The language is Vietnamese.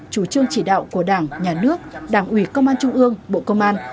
chủ trương chỉ đạo của đảng nhà nước đảng ủy công an trung ương bộ công an